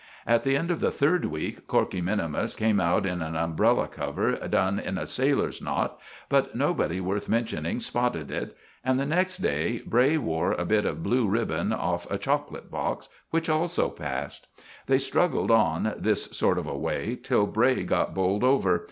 At the end of the third week Corkey minimus came out in an umbrella cover done in a sailor's knot, but nobody worth mentioning spotted it; and the next day Bray wore a bit of blue ribbon off a chocolate box, which also passed. They struggled on this sort of way till Bray got bowled over.